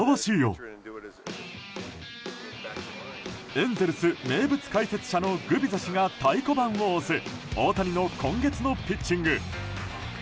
エンゼルス名物解説者のグビザ氏が太鼓判を押す大谷の今月のピッチング。